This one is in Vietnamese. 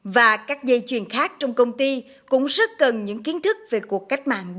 và các dây chuyền khác trong công ty cũng rất cần những kiến thức về cuộc cách mạng bốn